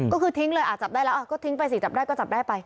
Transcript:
ก็คือทิ้งเลยจับได้แล้วก็ทิ้งไปสิจับได้ก็จับได้ไป